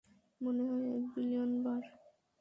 মনে হয় এক বিলিয়ন বার।